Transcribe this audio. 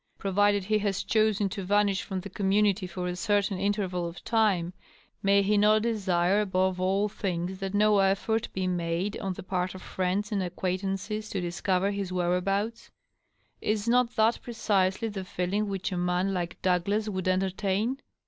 Provided he has chosen to vanish from the community for a certain interval of time, may he not desire above all things that no effort be made on the part of friends and acquaintances to discover his where abouts ? Is not that precisely the feeling which a man like Douglas would entertain